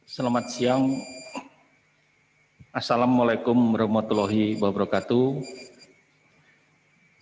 selamat siang assalamualaikum warahmatullahi wabarakatuh